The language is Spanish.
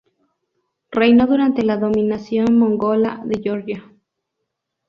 Reinó durante la dominación Mongola de Georgia.